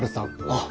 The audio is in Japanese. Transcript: あっ。